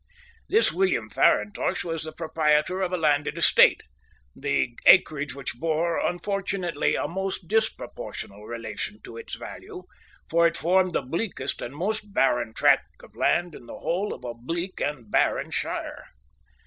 This William Farintosh was the proprietor of a landed estate, the acreage which bore, unfortunately, a most disproportional relation to its value, for it formed the bleakest and most barren tract of land in the whole of a bleak and barren shire.